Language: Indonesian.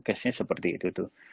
casenya seperti itu tuh